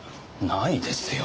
ないですよ。